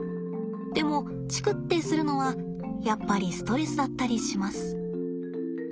でもチクッてするのはやっぱりストレスだったりします。